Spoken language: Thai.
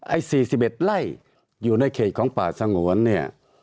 ไอ้๔๑ไร่อยู่ในเขตของป่าสงวนเนี่ย